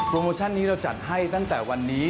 โมชั่นนี้เราจัดให้ตั้งแต่วันนี้